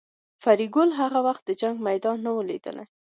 فریدګل هغه وخت د جنګ میدان نه و لیدلی